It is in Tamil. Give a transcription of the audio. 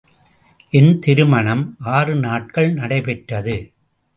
என் திருமணம் ஆறு நாட்கள் நடைபெற்றது.